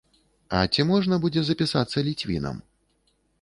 А ці можна будзе запісацца ліцвінам?